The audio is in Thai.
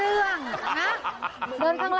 แล้วมันเรากำลังรวมกัน